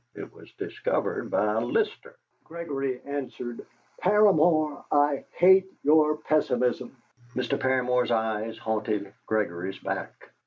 It was discovered by Lister." Gregory answered "Paramor, I hate your pessimism!" Mr. Paramor's eyes haunted Gregory's back.